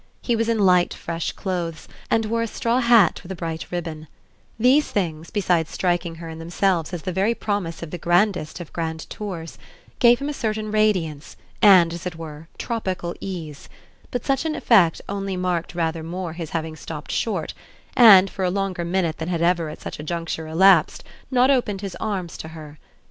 He was in light fresh clothes and wore a straw hat with a bright ribbon; these things, besides striking her in themselves as the very promise of the grandest of grand tours, gave him a certain radiance and, as it were, a tropical ease; but such an effect only marked rather more his having stopped short and, for a longer minute than had ever at such a juncture elapsed, not opened his arms to her.